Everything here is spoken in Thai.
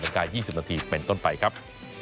หนังกายยี่สิบนาทีเป็นต้นไปครับ